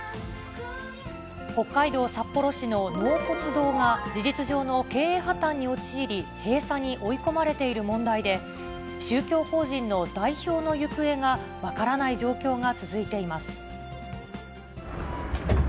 北海道札幌市の納骨堂が事実上の経営破綻に陥り、閉鎖に追い込まれている問題で、宗教法人の代表の行方が分からない状況が続いています。